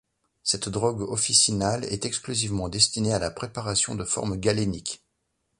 Cette drogue officinale est exclusivement destinée à la préparation de formes galéniques.